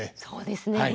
そうですね。